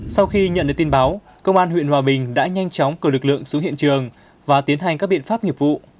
sau khi nhận được tin báo công an huyện hòa bình đã nhanh chóng cử lực lượng xuống hiện trường và tiến hành các biện pháp nghiệp vụ